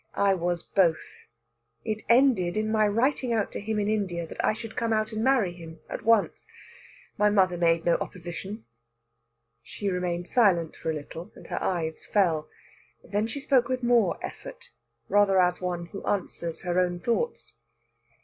I was both. It ended in my writing out to him in India that I should come out and marry him at once. My mother made no opposition." She remained silent for a little, and her eyes fell. Then she spoke with more effort, rather as one who answers her own thoughts.